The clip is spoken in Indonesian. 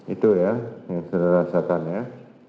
itu ya yang saudara rasakan ya